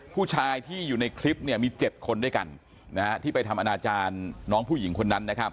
ผู้ชายที่อยู่ในคลิปมีเจ็บคนด้วยกันที่ไปทำอนาจารย์น้องผู้หญิงคนนั้น